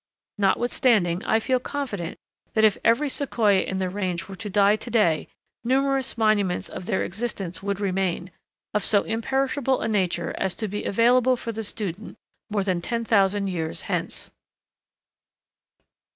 Notwithstanding, I feel confident that if every Sequoia in the range were to die to day, numerous monuments of their existence would remain, of so imperishable a nature as to be available for the student more than ten thousand years hence.